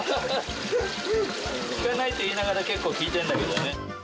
聞かないと言いながら、結構聞いてるんだけどね。